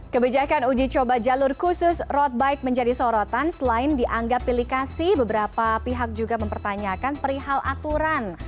kebijakan uji coba jalur khusus road bike menjadi sorotan selain dianggap pilikasi beberapa pihak juga mempertanyakan perihal aturan